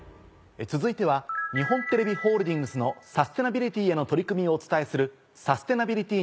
続いては日本テレビホールディングスのサステナビリティへの取り組みをお伝えする。